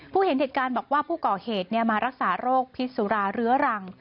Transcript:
เห็นเหตุการณ์บอกว่าผู้ก่อเหตุมารักษาโรคพิษสุราเรื้อรัง